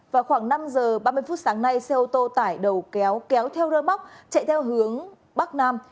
vào khoảng năm giờ ba mươi phút sáng nay xe ô tô tải đầu kéo kéo theo rơ móc chạy theo hướng bắc nam